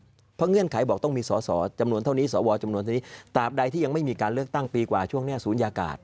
เพราะเงื่อนไขบอกต้องมีสอสอจำนวนเท่านี้สวจำนวนเท่านี้ตามใดที่ยังไม่มีการเลือกตั้งปีกว่าช่วงนี้ศูนยากาศ